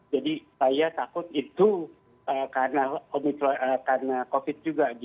jadi saya takut itu karena covid juga